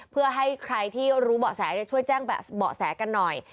เพื่อให้ใครที่รู้เบาะแสช่วยแจ้งเบาะแสกันหน่อย